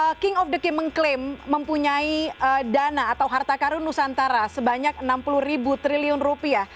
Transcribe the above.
pada saat king of the king mengklaim mempunyai dana atau harta karun nusantara sebanyak rp enam puluh